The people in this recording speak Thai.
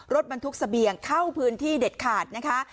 รถบรรทุกเสบียงเข้าพื้นที่เด็ดขาดนะคะ